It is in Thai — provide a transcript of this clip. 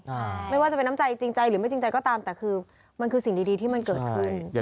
ใช่ไม่ว่าจะเป็นน้ำใจจริงใจหรือไม่จริงใจก็ตามแต่คือมันคือสิ่งดีดีที่มันเกิดขึ้น